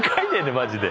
マジで。